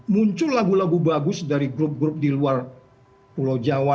muncul lagu lagu bagus dari grup grup di luar pulau jawa